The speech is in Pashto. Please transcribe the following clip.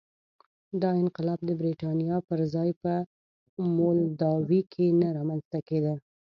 دا انقلاب د برېټانیا پر ځای په مولداوي کې نه رامنځته کېده.